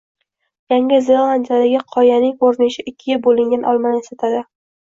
Yangi Zelandiyadagi qoyaning ko‘rinishi ikkiga bo‘lingan olmani eslatadi